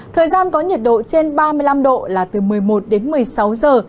thời gian có nhiệt độ trên ba mươi năm độ là từ một mươi một đến một mươi sáu giờ